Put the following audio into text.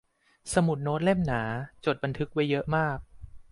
สมุดโน้ตเล่มหนา จดบันทึกไว้เยอะมาก